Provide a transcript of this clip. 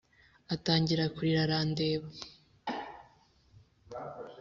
atangira kurira 'arandeba